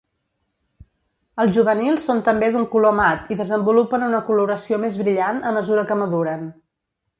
Els juvenils són també d'un color mat i desenvolupen una coloració més brillant a mesura que maduren.